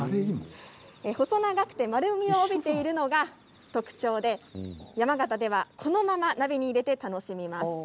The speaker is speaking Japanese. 細長くて丸みを帯びているのが特徴で山形では、このまま鍋に入れて楽しみます。